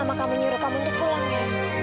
mama kamu nyuruh kamu untuk pulang ya